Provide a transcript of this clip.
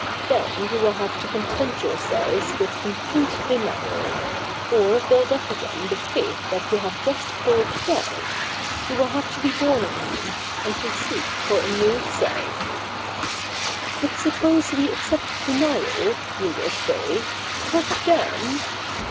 Then you will have to content yourselves with complete denial ; or build up again the faith that you have just pulled down — you will have to be born again, and to seek for a new Self. ' But suppose we accept denial, you will say, what then